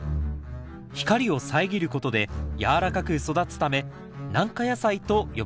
光を遮ることで軟らかく育つため「軟化野菜」と呼ばれています。